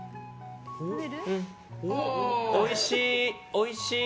おいしい！